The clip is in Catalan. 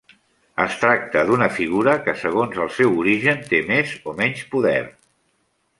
Es tracta d'una figura que, segons el seu origen, té més o menys poder.